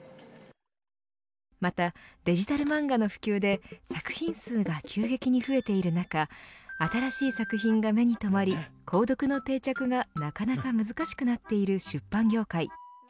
また、デジタル漫画の普及で作品数が急激に増えている中新しい作品が目にとまり購読の定着が、なかなか難しくなっている出版業界。